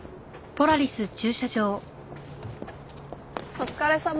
お疲れさま。